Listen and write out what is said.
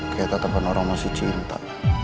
kayak tatapan orang masih cinta